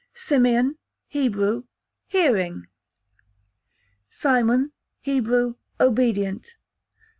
Simeon, Hebrew, hearing. Simon, Hebrew, obedient.